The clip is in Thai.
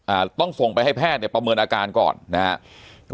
อ่าต้องส่งไปให้แพทย์ประเมินอาการก่อนนะฮะ